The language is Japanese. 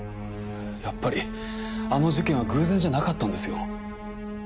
やっぱりあの事件は偶然じゃなかったんですよ。